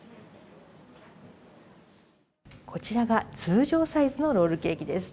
こちらが通常サイズのロールケーキです。